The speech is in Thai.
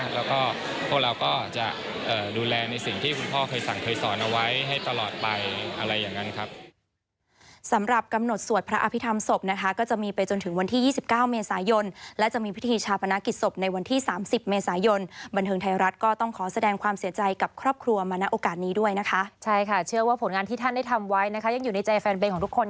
แล้วก็พวกเราก็จะดูแลในสิ่งที่คุณพ่อเคยสั่งเคยสอนเอาไว้ให้ตลอดไปอะไรอย่างนั้นครับ